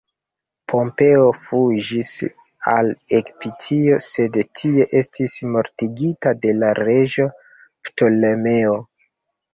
Pompeo fuĝis al Egiptio, sed tie estis mortigita de la reĝo Ptolemeo.